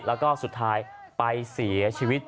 แล้วก็สุดท้ายไปเสียชีวิต